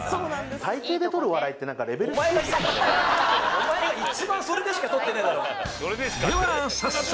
お前が一番それでしかとってねえだろでは早速！